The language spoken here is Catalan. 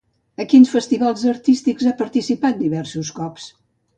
A quins festivals artístics ha participat diversos cops?